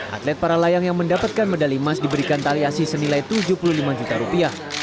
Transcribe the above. atlet para layang yang mendapatkan medali emas diberikan tali asi senilai tujuh puluh lima juta rupiah